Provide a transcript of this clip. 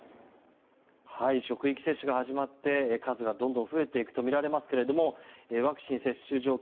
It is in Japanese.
職域接種が始まって数がどんどん増えていくとみられますがワクチン接種状況